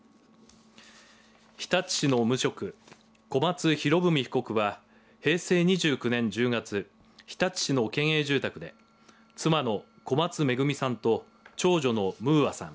日立市の無職小松博文被告は平成２９年１０月日立市の県営住宅で妻の小松恵さんと長女の夢妃さん